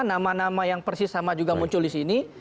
nama nama yang persis sama juga muncul di sini